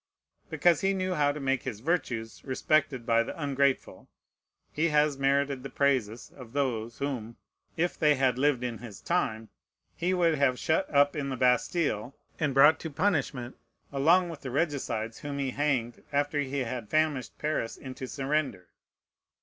Because he knew how to make his virtues respected by the ungrateful, he has merited the praises of those whom, if they had lived in his time, he would have shut up in the Bastile, and brought to punishment along with the regicides whom he hanged after he had famished Paris into a surrender.